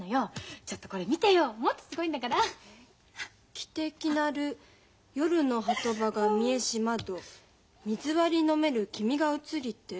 「汽笛鳴る夜の波止場が見えし窓水割り飲める君が映りて」。